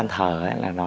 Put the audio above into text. rất là cao